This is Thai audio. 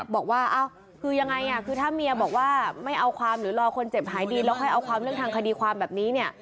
บอกว่าคือยังไงคือถ้าเมียบอกว่าไม่เอาความหรือรอคนเจ็บหายดีแล้วค่อยเอาความเรื่องทางคดีความแบบนี้เนี่ย